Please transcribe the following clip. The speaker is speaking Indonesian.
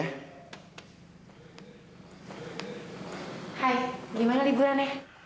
hai gimana liburan ya